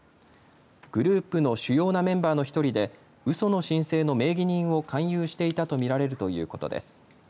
グループの主要なメンバーの１人でうその申請の名義人を勧誘していたと見られるということです。